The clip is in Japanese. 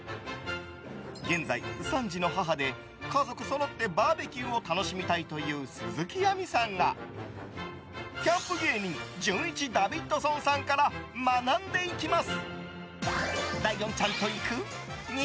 現在３児の母で、家族そろってバーベキューを楽しみたいという鈴木亜美さんが、キャンプ芸人じゅんいちダビッドソンさんから学んでいきます。